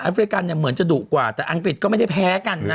เฟริกันเนี่ยเหมือนจะดุกว่าแต่อังกฤษก็ไม่ได้แพ้กันนะ